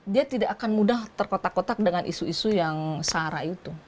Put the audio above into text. dia tidak akan mudah terkotak kotak dengan isu isu yang searah itu